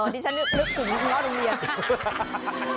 นี่ฉันนึกถึงง่อดุเวียน